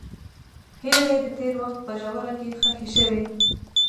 هیلې مې د تېر وخت په ژوره کې ښخې شوې.